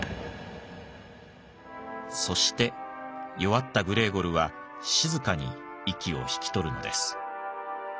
そして弱ったグレーゴルは静かに息を引き取るのです。